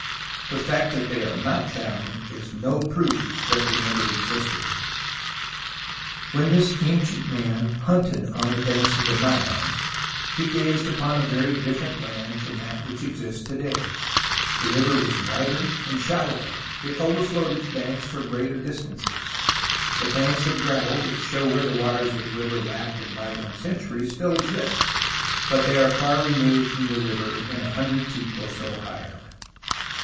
The fact that they are not found is no proof that they never existed. When this ancient man hunted on the banks of the Nile, he gazed upon a very different land from that which exists to day. The river was wider and shallower. It overflowed its banks for greater distances. The banks of gravel which show where the waters of the river lapped in bygone centuries still exist, but they are far removed from the river, and a hundred feet or so higher.